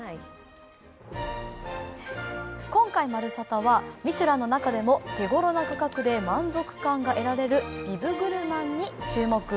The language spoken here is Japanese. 今回、「まるサタ」はミシュランの中でも手ごろな価格で満足感が得られるビブグルマンに注目。